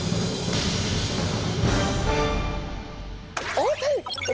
オープン！